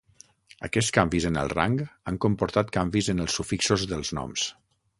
Aquests canvis en el rang han comportat canvis en els sufixos dels noms.